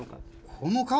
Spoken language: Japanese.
この顔？